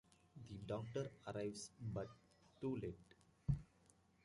The doctor arrives, but too late.